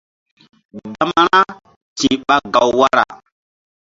Gama ra ti̧h ɓa gaw wara.